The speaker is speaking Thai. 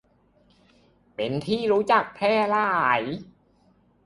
เป็นที่รู้จักแพร่หลาย